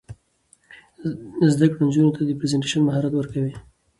زده کړه نجونو ته د پریزنټیشن مهارت ورکوي.